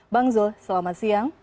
bang zul selamat siang